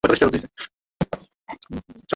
লাল মড়কের হিংসা-কুটিল স্পর্শে সব শেষ, সব নিস্তব্ধ।